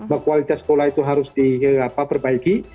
bahwa kualitas sekolah itu harus diperbaiki